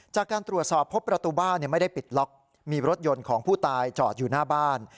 จากการตรวจสอบพบประตูบ้านไม่ได้ปิดล็อกมีรถยนต์ของผู้ตายจอดอยู่หน้าบ้าน